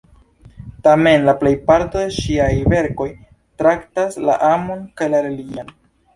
Tamen la plejparto de ŝiaj verkoj traktas la amon kaj la religian.